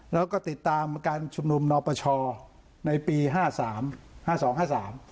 แล้วก็ติดตามการชุมนุมนอปชในปีห้าสามห้าสองห้าสาม